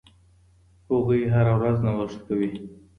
هغوی هره ورځ نوښت کوي.